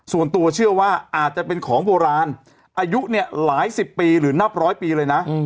ส่วนตัวเชื่อว่าอาจจะเป็นของโบราณอายุเนี่ยหลายสิบปีหรือนับร้อยปีเลยนะ